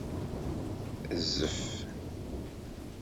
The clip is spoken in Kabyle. Rzef.